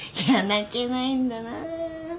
泣けないんだなぁ。